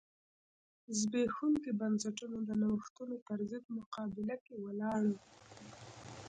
زبېښونکي بنسټونه د نوښتونو پرضد مقابله کې ولاړ و.